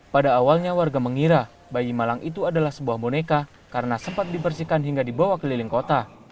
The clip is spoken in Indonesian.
pada awalnya warga mengira bayi malang itu adalah sebuah boneka karena sempat dibersihkan hingga dibawa keliling kota